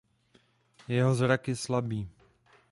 Jeho zrak je slabý.